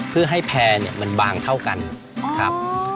เพื่อให้แพร่เนี่ยมันบางเท่ากันครับ